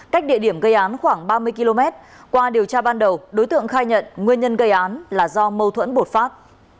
cách địa điểm gây án khoảng ba mươi km qua điều tra ban đầu đối tượng khai nhận nguyên nhân gây án là do mâu thuẫn bột phát